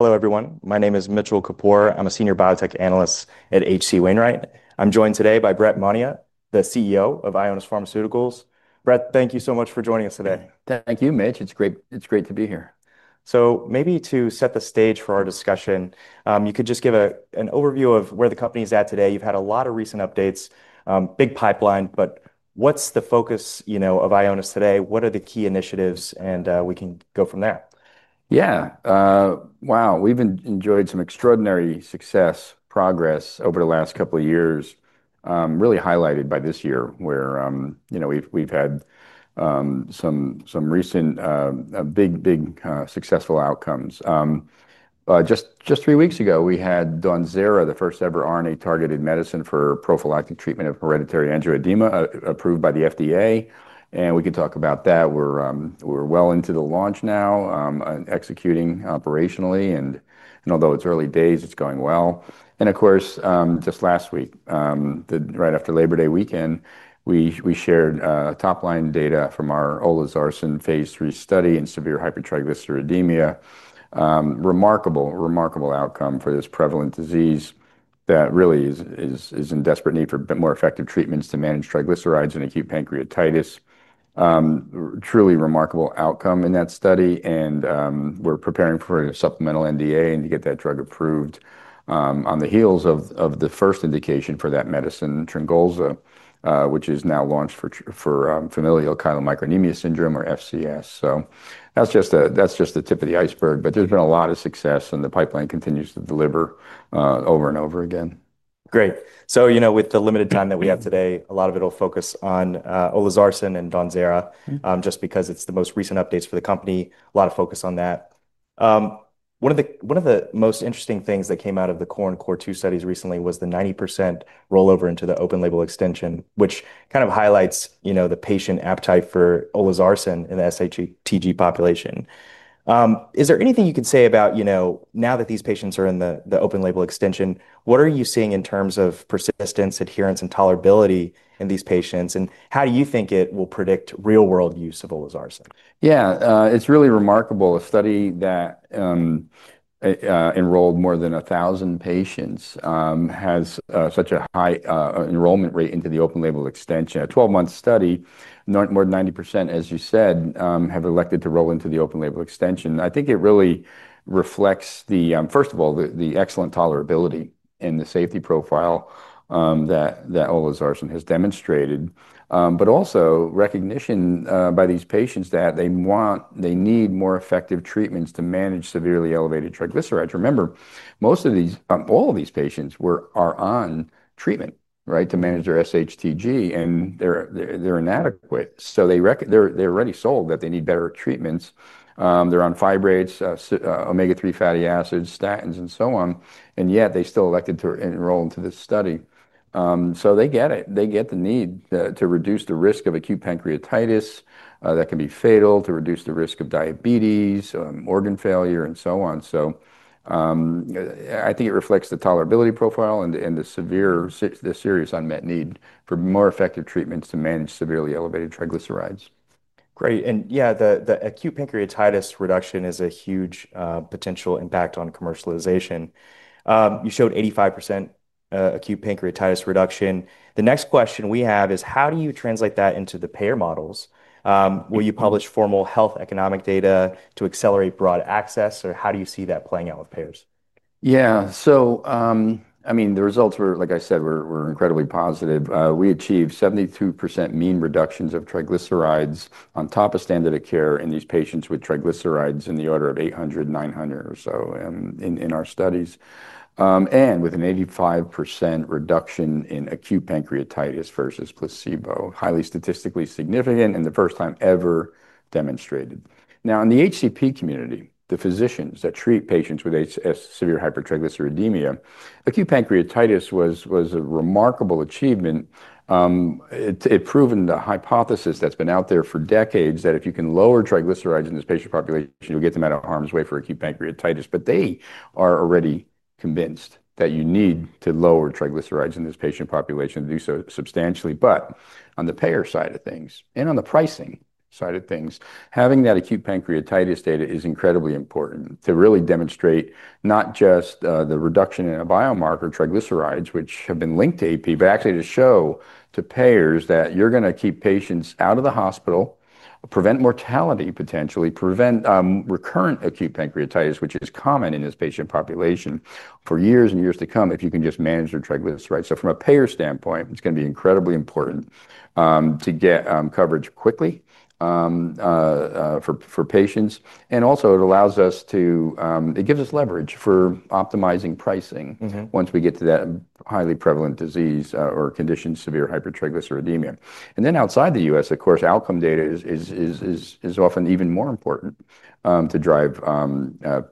Hello everyone. My name is Mitchell Kapoor. I'm a Senior Biotech Analyst at HC Wainwright. I'm joined today by Brett Monia, the CEO of Ionis Pharmaceuticals. Brett, thank you so much for joining us today. Thank you, Mitch. It's great to be here. Maybe to set the stage for our discussion, you could just give an overview of where the company is at today. You've had a lot of recent updates, big pipeline, but what's the focus, you know, of Ionis Pharmaceuticals today? What are the key initiatives? We can go from there. Yeah. Wow, we've enjoyed some extraordinary success, progress over the last couple of years, really highlighted by this year where, you know, we've had some recent big, big, successful outcomes. Just three weeks ago, we had Donidalorsen, the first ever RNA-targeted medicine for prophylactic treatment of hereditary angioedema, approved by the U.S. Food and Drug Administration. We could talk about that. We're well into the launch now, executing operationally. Although it's early days, it's going well. Of course, just last week, right after Labor Day weekend, we shared top-line data from our Olazarcin Phase III study in severe hypertriglyceridemia. Remarkable, remarkable outcome for this prevalent disease that really is in desperate need for more effective treatments to manage triglycerides and acute pancreatitis. Truly remarkable outcome in that study. We're preparing for a supplemental NDA to get that drug approved on the heels of the first indication for that medicine, Tringolza, which is now launched for familial chylomicronemia syndrome, or FCS. That's just the tip of the iceberg. There's been a lot of success, and the pipeline continues to deliver over and over again. Great. With the limited time that we have today, a lot of it will focus on Olazarcin and Donidalorsen just because it's the most recent updates for the company, a lot of focus on that. One of the most interesting things that came out of the CORE and CORE 2 studies recently was the 90% rollover into the open-label extension, which kind of highlights the patient appetite for Olazarcin in the SHTG population. Is there anything you could say about, now that these patients are in the open-label extension, what are you seeing in terms of persistence, adherence, and tolerability in these patients? How do you think it will predict real-world use of Olazarcin? Yeah, it's really remarkable. A study that enrolled more than 1,000 patients has such a high enrollment rate into the open-label extension. A 12-month study, more than 90%, as you said, have elected to roll into the open-label extension. I think it really reflects, first of all, the excellent tolerability and the safety profile that Olazarcin has demonstrated. It is also recognition by these patients that they want, they need more effective treatments to manage severely elevated triglycerides. Remember, most of these, all of these patients are on treatment, right, to manage their SHTG, and they're inadequate. They're already sold that they need better treatments. They're on fibrates, omega-3 fatty acids, statins, and so on, yet they still elected to enroll into this study. They get it. They get the need to reduce the risk of acute pancreatitis that can be fatal, to reduce the risk of diabetes, organ failure, and so on. I think it reflects the tolerability profile and the serious unmet need for more effective treatments to manage severely elevated triglycerides. Great. The acute pancreatitis reduction is a huge potential impact on commercialization. You showed 85% acute pancreatitis reduction. The next question we have is how do you translate that into the payer models? Will you publish formal health economic data to accelerate broad access? How do you see that playing out with payers? Yeah, so I mean, the results were, like I said, were incredibly positive. We achieved 72% mean reductions of triglycerides on top of standard of care in these patients with triglycerides in the order of 800, 900 or so in our studies, and with an 85% reduction in acute pancreatitis versus placebo. Highly statistically significant and the first time ever demonstrated. Now in the HCP community, the physicians that treat patients with severe hypertriglyceridemia, acute pancreatitis was a remarkable achievement. It proved the hypothesis that's been out there for decades that if you can lower triglycerides in this patient population, you'll get them out of harm's way for acute pancreatitis. They are already convinced that you need to lower triglycerides in this patient population to do so substantially. On the payer side of things, and on the pricing side of things, having that acute pancreatitis data is incredibly important to really demonstrate not just the reduction in a biomarker triglycerides, which have been linked to AP, but actually to show to payers that you're going to keep patients out of the hospital, prevent mortality potentially, prevent recurrent acute pancreatitis, which is common in this patient population for years and years to come if you can just manage their triglycerides. From a payer standpoint, it's going to be incredibly important to get coverage quickly for patients. It also allows us to, it gives us leverage for optimizing pricing once we get to that highly prevalent disease or condition, severe hypertriglyceridemia. Outside the U.S., of course, outcome data is often even more important to drive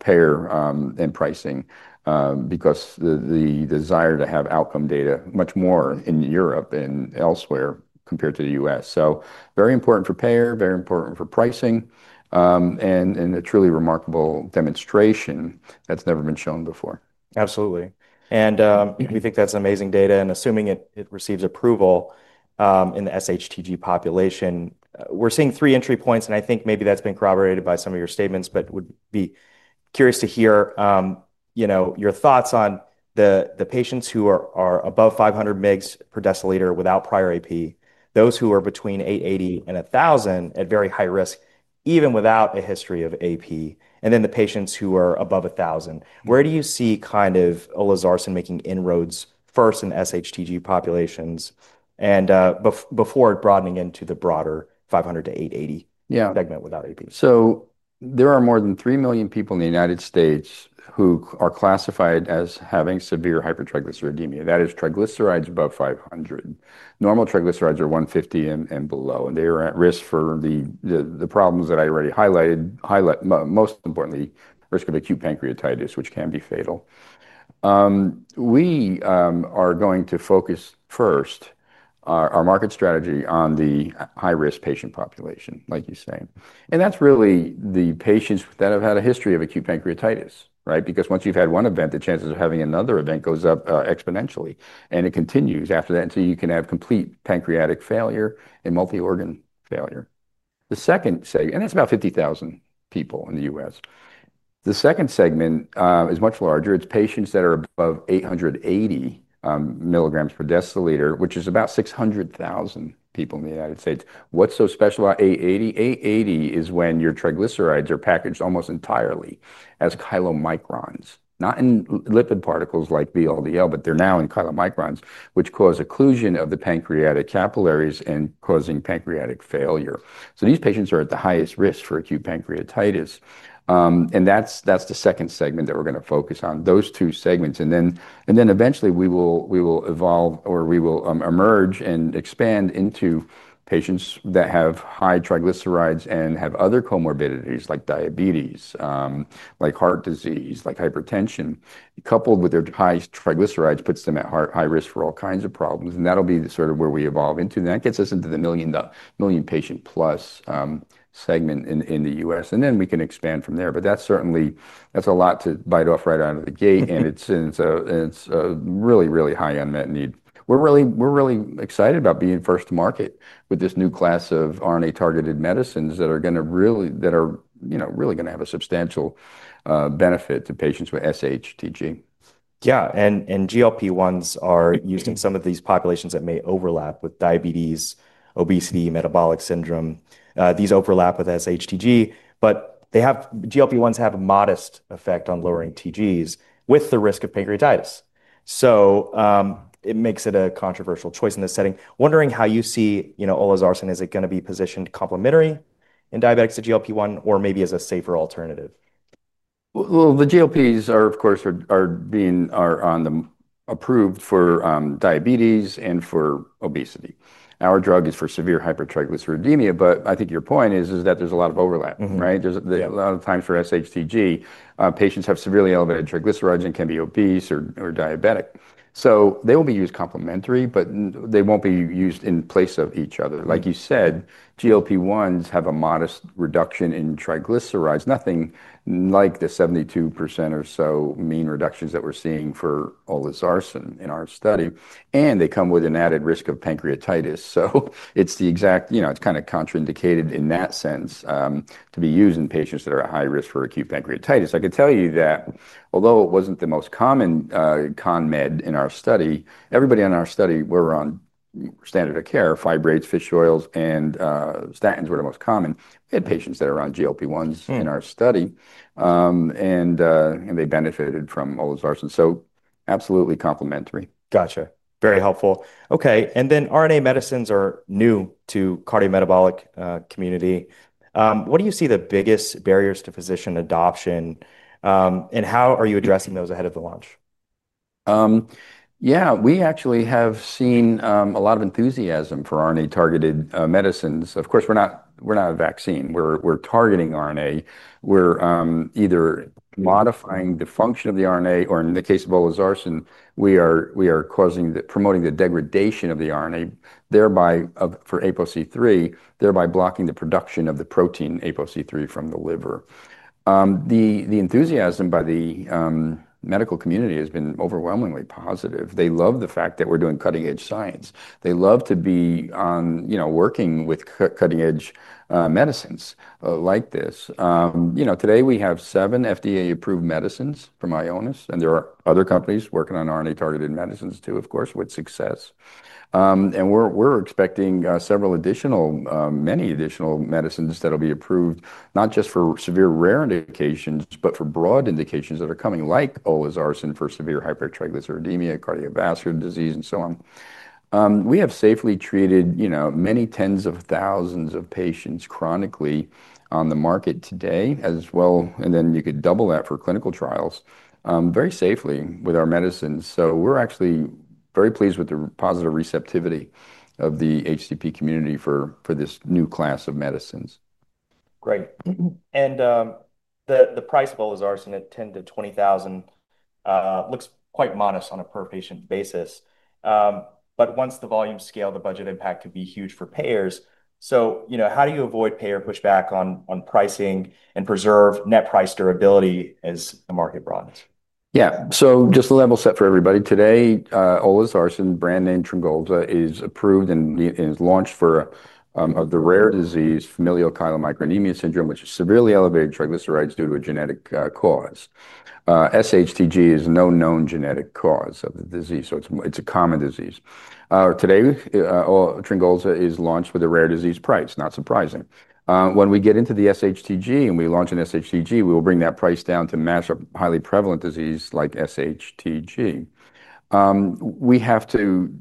payer and pricing because the desire to have outcome data much more in Europe and elsewhere compared to the U.S. Very important for payer, very important for pricing, and a truly remarkable demonstration that's never been shown before. Absolutely. We think that's amazing data. Assuming it receives approval in the SHTG population, we're seeing three entry points. I think maybe that's been corroborated by some of your statements, but would be curious to hear your thoughts on the patients who are above 500 mg per deciliter without prior acute pancreatitis, those who are between 880 and 1,000 at very high risk, even without a history of acute pancreatitis, and then the patients who are above 1,000. Where do you see Olazarcin making inroads first in SHTG populations before broadening into the broader 500 to 880 segment without acute pancreatitis? There are more than 3 million people in the U.S. who are classified as having severe hypertriglyceridemia. That is, triglycerides above 500. Normal triglycerides are 150 and below. They are at risk for the problems that I already highlighted, most importantly, risk of acute pancreatitis, which can be fatal. We are going to focus first our market strategy on the high-risk patient population, like you say. That's really the patients that have had a history of acute pancreatitis, right? Because once you've had one event, the chances of having another event go up exponentially. It continues after that until you can have complete pancreatic failure and multi-organ failure. The second segment, and it's about 50,000 people in the U.S., is much larger. It's patients that are above 880 milligrams per deciliter, which is about 600,000 people in the United States. What's so special about 880? 880 is when your triglycerides are packaged almost entirely as chylomicrons, not in lipid particles like VLDL, but they're now in chylomicrons, which cause occlusion of the pancreatic capillaries and cause pancreatic failure. These patients are at the highest risk for acute pancreatitis. That's the second segment that we're going to focus on, those two segments. Eventually, we will evolve or we will emerge and expand into patients that have high triglycerides and have other comorbidities like diabetes, heart disease, or hypertension. Coupled with their high triglycerides, it puts them at high risk for all kinds of problems. That'll be sort of where we evolve into, and that gets us into the million patient plus segment in the U.S. We can expand from there. That's certainly a lot to bite off right out of the gate, and it's a really, really high unmet need. We're really excited about being first to market with this new class of RNA-targeted medicines that are really going to have a substantial benefit to patients with SHTG. Yeah, and GLP-1s are used in some of these populations that may overlap with diabetes, obesity, metabolic syndrome. These overlap with SHTG, but GLP-1s have a modest effect on lowering TGs with the risk of pancreatitis. It makes it a controversial choice in this setting. Wondering how you see, you know, Olazarcin, is it going to be positioned complementary in diabetics to GLP-1 or maybe as a safer alternative? The GLPs are, of course, being approved for diabetes and for obesity. Our drug is for severe hypertriglyceridemia. I think your point is that there's a lot of overlap, right? A lot of times for SHTG, patients have severely elevated triglycerides and can be obese or diabetic. They will be used complementary, but they won't be used in place of each other. Like you said, GLP-1s have a modest reduction in triglycerides, nothing like the 72% or so mean reductions that we're seeing for Olazarcin in our study. They come with an added risk of pancreatitis. It's the exact, you know, it's kind of contraindicated in that sense to be used in patients that are at high risk for acute pancreatitis. I could tell you that although it wasn't the most common con-med in our study, everybody in our study were on standard of care, fibrates, fish oils, and statins were the most common. We had patients that are on GLP-1s in our study, and they benefited from Olazarcin. Absolutely complementary. Gotcha. Very helpful. OK, RNA medicines are new to the cardiometabolic community. What do you see as the biggest barriers to physician adoption, and how are you addressing those ahead of the launch? Yeah, we actually have seen a lot of enthusiasm for RNA-targeted medicines. Of course, we're not a vaccine. We're targeting RNA. We're either modifying the function of the RNA, or in the case of Olazarcin, we are promoting the degradation of the RNA, thereby for APOC3, thereby blocking the production of the protein APOC3 from the liver. The enthusiasm by the medical community has been overwhelmingly positive. They love the fact that we're doing cutting-edge science. They love to be working with cutting-edge medicines like this. You know, today we have seven FDA-approved medicines from Ionis Pharmaceuticals. There are other companies working on RNA-targeted medicines too, of course, with success. We're expecting several additional, many additional medicines that will be approved, not just for severe rare indications, but for broad indications that are coming, like Olazarcin for severe hypertriglyceridemia, cardiovascular disease, and so on. We have safely treated many tens of thousands of patients chronically on the market today as well. You could double that for clinical trials very safely with our medicines. We're actually very pleased with the positive receptivity of the HCP community for this new class of medicines. Great. The price of Olazarcin at $10,000 to $20,000 looks quite modest on a per-patient basis. Once the volume scales, the budget impact could be huge for payers. How do you avoid payer pushback on pricing and preserve net price durability as the market broadens? Yeah, just to level set for everybody. Today, Olazarcin, brand name Tringolza, is approved and is launched for the rare disease, familial chylomicronemia syndrome, which is severely elevated triglycerides due to a genetic cause. SHTG has no known genetic cause of the disease. It's a common disease. Today, Tringolza is launched with a rare disease price, not surprising. When we get into SHTG and we launch in SHTG, we will bring that price down to match a highly prevalent disease like SHTG. We have to,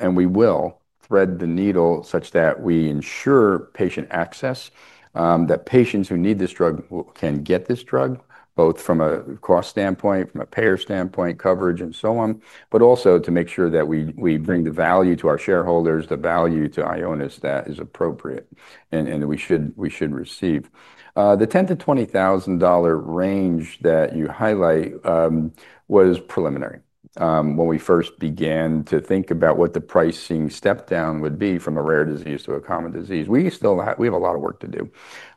and we will, thread the needle such that we ensure patient access, that patients who need this drug can get this drug, both from a cost standpoint, from a payer standpoint, coverage, and so on, but also to make sure that we bring the value to our shareholders, the value to Ionis that is appropriate and we should receive. The $10,000 to $20,000 range that you highlight was preliminary when we first began to think about what the pricing step down would be from a rare disease to a common disease. We still have a lot of work to do.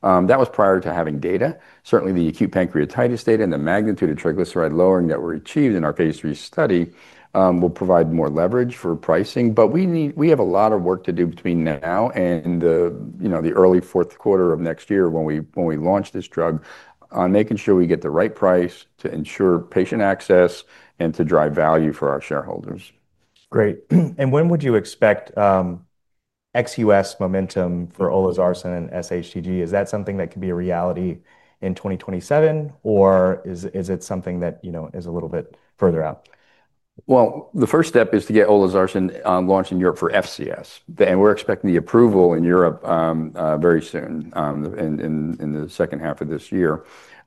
That was prior to having data. Certainly, the acute pancreatitis data and the magnitude of triglyceride lowering that were achieved in our Phase III study will provide more leverage for pricing. We have a lot of work to do between now and the early fourth quarter of next year when we launch this drug on making sure we get the right price to ensure patient access and to drive value for our shareholders. Great. When would you expect ex-U.S. momentum for Olazarcin and SHTG? Is that something that could be a reality in 2027, or is it something that is a little bit further out? The first step is to get Olazarcin launched in Europe for FCS. We're expecting the approval in Europe very soon in the second half of this year.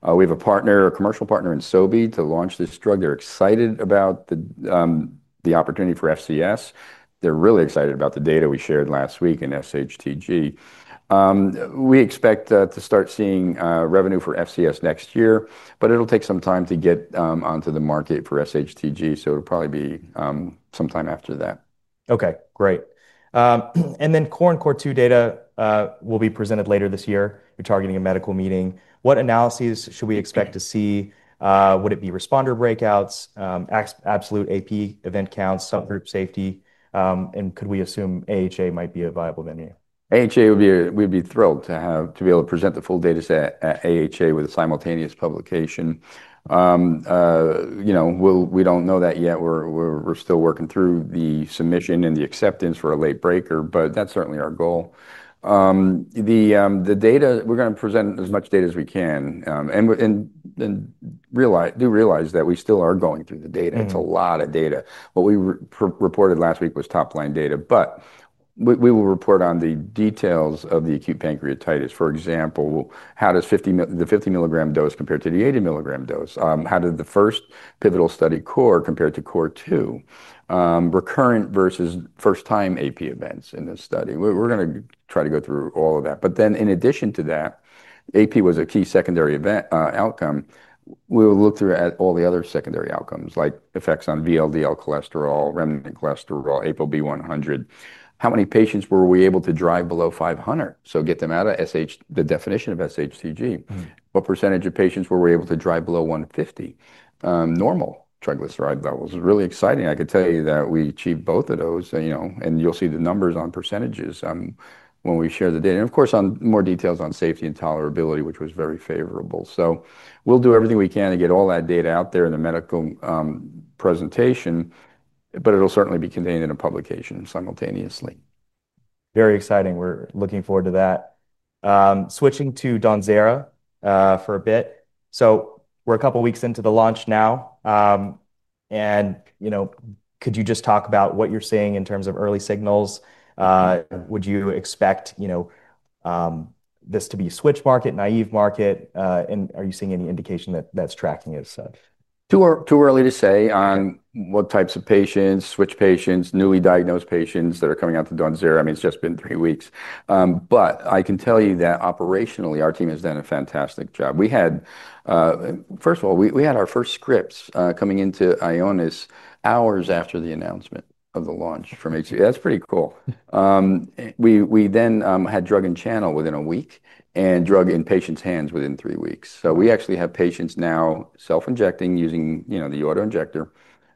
We have a partner, a commercial partner in Sobi to launch this drug. They're excited about the opportunity for FCS. They're really excited about the data we shared last week in SHTG. We expect to start seeing revenue for FCS next year. It'll take some time to get onto the market for SHTG. It'll probably be sometime after that. OK, great. Core and core two data will be presented later this year. We're targeting a medical meeting. What analyses should we expect to see? Would it be responder breakouts, absolute AP event counts, subgroup safety? Could we assume AHA might be a viable venue? AHA, we'd be thrilled to be able to present the full data set at AHA with simultaneous publication. You know, we don't know that yet. We're still working through the submission and the acceptance for a late breaker. That's certainly our goal. The data, we're going to present as much data as we can. Do realize that we still are going through the data. It's a lot of data. What we reported last week was top-line data. We will report on the details of the acute pancreatitis. For example, how does the 50 milligram dose compare to the 80 milligram dose? How did the first pivotal study core compare to core two? Recurrent versus first-time AP events in this study. We're going to try to go through all of that. In addition to that, AP was a key secondary outcome. We'll look through all the other secondary outcomes, like effects on VLDL cholesterol, remnant cholesterol, ApoB 100. How many patients were we able to drive below 500? Get them out of the definition of SHTG. What % of patients were we able to drive below 150? Normal triglyceride levels is really exciting. I could tell you that we achieved both of those, you know, and you'll see the numbers on % when we share the data. Of course, more details on safety and tolerability, which was very favorable. We'll do everything we can to get all that data out there in a medical presentation. It'll certainly be contained in a publication simultaneously. Very exciting. We're looking forward to that. Switching to Donidalorsen for a bit, we're a couple of weeks into the launch now. Could you just talk about what you're seeing in terms of early signals? Would you expect this to be a switch market, naive market, and are you seeing any indication that that's tracking as such? Too early to say on what types of patients, switch patients, newly diagnosed patients that are coming out of Donidalorsen. I mean, it's just been three weeks. I can tell you that operationally, our team has done a fantastic job. First of all, we had our first scripts coming into Ionis Pharmaceuticals hours after the announcement of the launch from HCP. That's pretty cool. We then had drug in channel within a week and drug in patients' hands within three weeks. We actually have patients now self-injecting using the autoinjector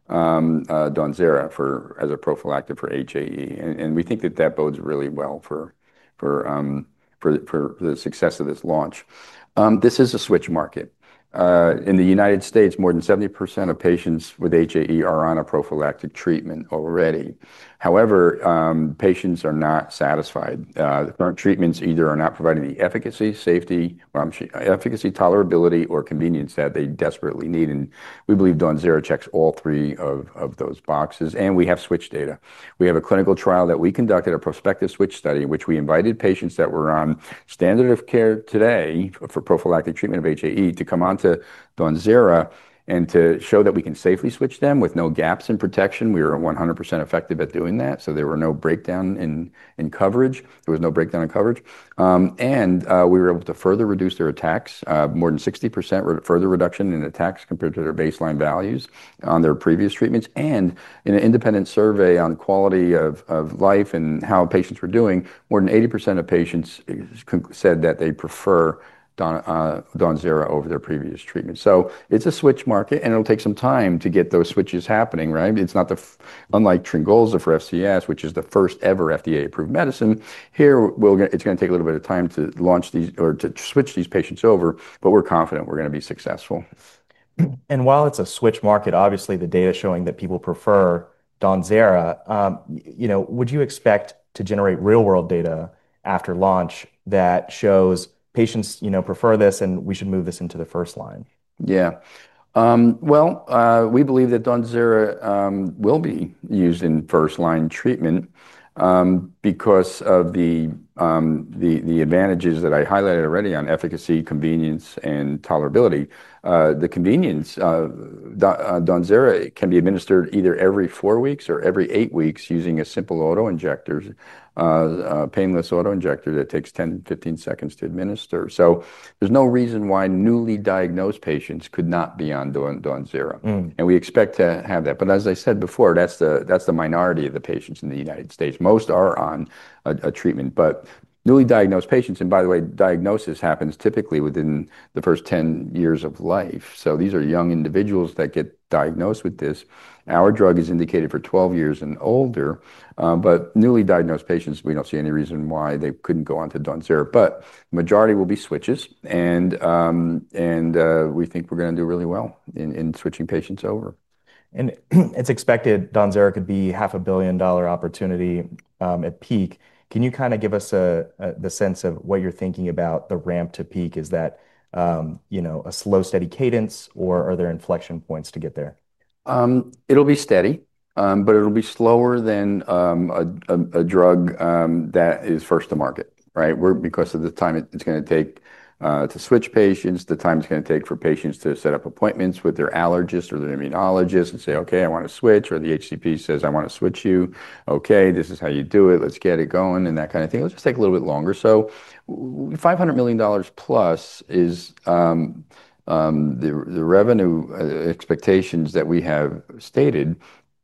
Donidalorsen as a prophylactic for hereditary angioedema. We think that bodes really well for the success of this launch. This is a switch market. In the U.S., more than 70% of patients with hereditary angioedema are on a prophylactic treatment already. However, patients are not satisfied. The current treatments either are not providing the efficacy, safety, tolerability, or convenience that they desperately need. We believe Donidalorsen checks all three of those boxes. We have switch data. We have a clinical trial that we conducted, a prospective switch study, which we invited patients that were on standard of care today for prophylactic treatment of hereditary angioedema to come onto Donidalorsen and to show that we can safely switch them with no gaps in protection. We were 100% effective at doing that. There was no breakdown in coverage. We were able to further reduce their attacks. More than 60% further reduction in attacks compared to their baseline values on their previous treatments. In an independent survey on quality of life and how patients were doing, more than 80% of patients said that they prefer Donidalorsen over their previous treatment. It's a switch market. It'll take some time to get those switches happening, right? It's not unlike Tringolza for familial chylomicronemia syndrome, which is the first ever FDA-approved medicine. Here, it's going to take a little bit of time to launch these or to switch these patients over. We're confident we're going to be successful. While it's a switch market, obviously the data showing that people prefer Donidalorsen, would you expect to generate real-world data after launch that shows patients prefer this and we should move this into the first line? Yeah. We believe that Donidalorsen will be used in first-line treatment because of the advantages that I highlighted already on efficacy, convenience, and tolerability. The convenience, Donidalorsen can be administered either every four weeks or every eight weeks using a simple autoinjector, a painless autoinjector that takes 10 to 15 seconds to administer. There's no reason why newly diagnosed patients could not be on Donidalorsen. We expect to have that. As I said before, that's the minority of the patients in the U.S. Most are on a treatment. Newly diagnosed patients, and by the way, diagnosis happens typically within the first 10 years of life. These are young individuals that get diagnosed with this. Our drug is indicated for 12 years and older. Newly diagnosed patients, we don't see any reason why they couldn't go on to Donidalorsen. The majority will be switches. We think we're going to do really well in switching patients over. As expected, Donidalorsen could be a $500 million opportunity at peak. Can you kind of give us the sense of what you're thinking about the ramp to peak? Is that a slow, steady cadence, or are there inflection points to get there? It'll be steady, but it'll be slower than a drug that is first to market, right? Because of the time it's going to take to switch patients, the time it's going to take for patients to set up appointments with their allergist or their immunologist and say, OK, I want to switch, or the HCP says, I want to switch you. OK, this is how you do it. Let's get it going and that kind of thing. It'll just take a little bit longer. $500 million plus is the revenue expectations that we have stated,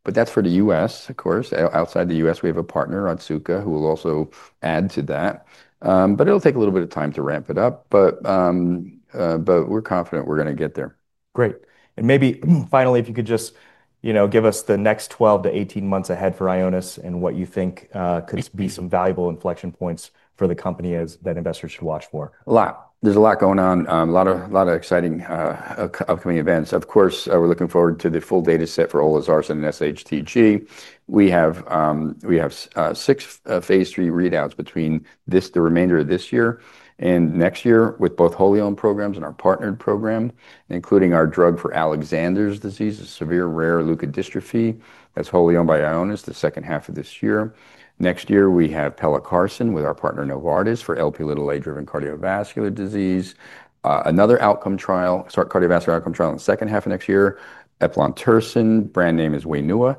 but that's for the U.S., of course. Outside the U.S., we have a partner, Otsuka, who will also add to that. It'll take a little bit of time to ramp it up, but we're confident we're going to get there. Great. If you could just, you know, give us the next 12 to 18 months ahead for Ionis Pharmaceuticals and what you think could be some valuable inflection points for the company that investors should watch for. A lot. There's a lot going on, a lot of exciting upcoming events. Of course, we're looking forward to the full data set for Olazarcin in SHTG. We have six Phase III readouts between the remainder of this year and next year with both wholly owned programs and our partnered program, including our drug for Alexander's disease, severe rare leukodystrophy. That's wholly owned by Ionis the second half of this year. Next year, we have Pelecarcin with our partner Novartis for Lp(a)-driven cardiovascular disease. Another outcome trial, start cardiovascular outcome trial in the second half of next year. Epilanthusin, brand name is Wainua,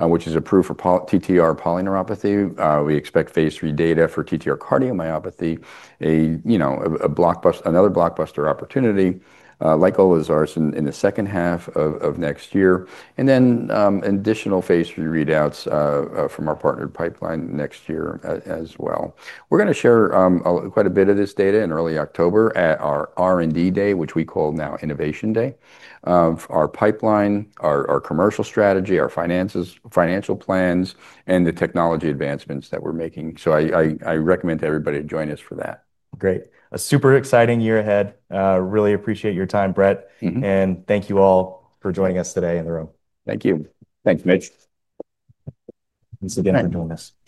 which is approved for TTR polyneuropathy. We expect Phase III data for TTR cardiomyopathy, another blockbuster opportunity like Olazarcin in the second half of next year. Additional Phase III readouts from our partnered pipeline next year as well. We're going to share quite a bit of this data in early October at our R&D Day, which we call now Innovation Day, of our pipeline, our commercial strategy, our financial plans, and the technology advancements that we're making. I recommend to everybody to join us for that. Great. A super exciting year ahead. Really appreciate your time, Brett. Thank you all for joining us today in the room. Thank you. Thanks, Mitch. Thanks again for joining us.